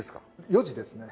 ４時ですね。